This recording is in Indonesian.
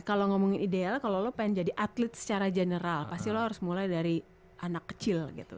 kalau ngomongin ideal kalau lo pengen jadi atlet secara general pasti lo harus mulai dari anak kecil gitu